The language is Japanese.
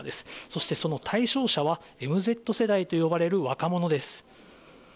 そしてその対象者は、ＭＺ世代と呼ばれる若者です。